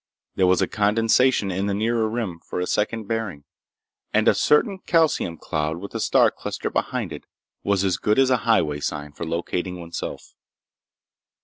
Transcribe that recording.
There was a condensation in the Nearer Rim for a second bearing. And a certain calcium cloud with a star cluster behind it was as good as a highway sign for locating one's self.